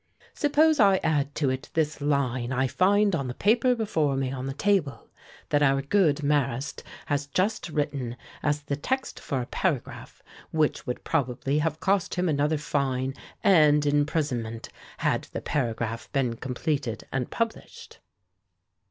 "Suppose I add to it this line I find on the paper before me on the table, that our good Marrast had just written as the text for a paragraph which would probably have cost him another fine and imprisonment, had the paragraph been completed and published?"